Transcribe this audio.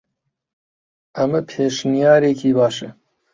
ئەمە پێشنیارێکی باشە.